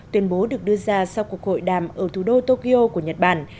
tuyên bố được đưa ra sau cuộc hội đàm ở thủ đô tokyo của nhật bản